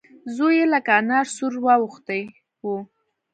زوی يې لکه انار سور واوښتی و.